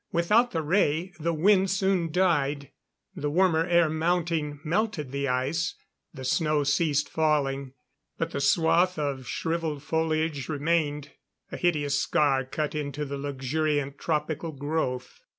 Without the ray, the wind soon died. The warmer air mounting, melted the ice; the snow ceased falling. But the swath of shriveled foliage remained a hideous scar cut into the luxuriant tropical growth.